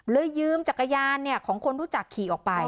เลยยืมจักรยานของคนรู้จักขี่ออกไป